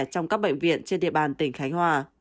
trong các bệnh viện trên địa bàn tỉnh khánh hòa